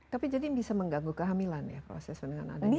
tapi jadi bisa mengganggu kehamilan ya proses dengan adanya